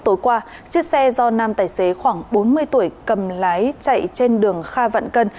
tối qua chiếc xe do nam tài xế khoảng bốn mươi tuổi cầm lái chạy trên đường kha vạn cân